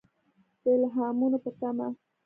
د الهامونو په تمه.